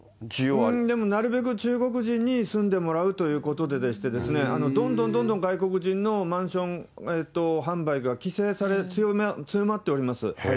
なるべく中国人に住んでもらうということででしてですね、どんどんどんどん外国人のマンション販売が規制され、強まっております。